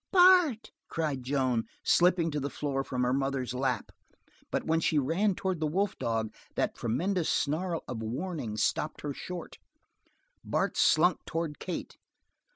"Bart!" cried Joan, slipping to the floor from her mother's lap, but when she ran toward the wolf dog, that tremendous snarl of warning stopped her short. Bart slunk toward Kate.